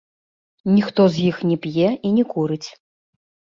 Ніхто з іх не п'е і не курыць.